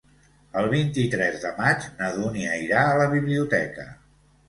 El vint-i-tres de maig na Dúnia irà a la biblioteca.